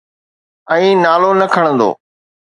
۽ نالو نه کڻندو.